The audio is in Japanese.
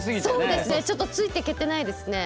そうですねちょっとついて行けてないですね。